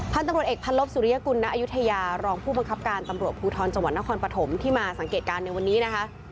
ท่านตำรวจเอกพันลบสุริยกุลณอายุทยารองผู้บังคับการตำรวจภูทรจังหวัดนครปฐมที่มาสังเกตการณ์ในวันนี้นะคะ